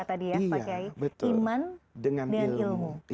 pak kiai iman dengan ilmu